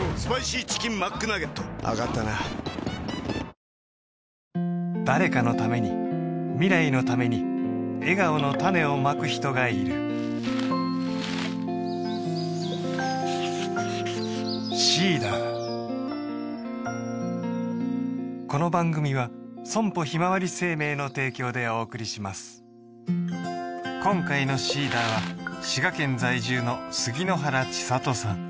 １抗菌誰かのために未来のために笑顔のタネをまく人がいる今回のＳｅｅｄｅｒは滋賀県在住の杉之原千里さん